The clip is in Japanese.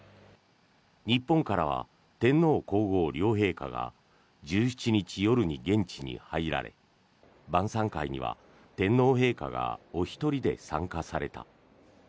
日本からは天皇・皇后両陛下が１７日夜に現地に入られ晩さん会には天皇陛下がお一人で参加された。